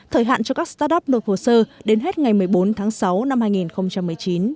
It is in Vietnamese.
thời hạn cho các start up nộp hồ sơ đến hết ngày một mươi bốn tháng sáu năm hai nghìn một mươi chín